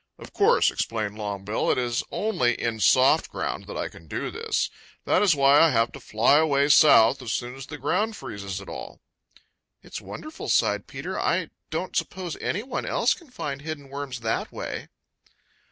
"Of course," explained Longbill, "it is only in soft ground that I can do this. That is why I have to fly away south as soon as the ground freezes at all." "It's wonderful," sighed Peter. "I don't suppose any one else can find hidden worms that way."